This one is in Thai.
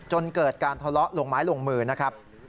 จนเกิดการทะเลาะลงไม้ลงมือนะครับ